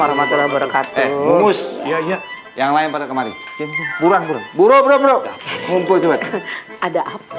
assalamualaikum warahmatullahi wabarakatuh waalaikumsalam warahmatullah wabarakatuh